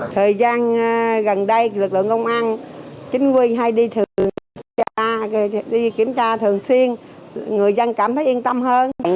thời gian gần đây lực lượng công an chính quyền hay đi kiểm tra thường xuyên người dân cảm thấy yên tâm hơn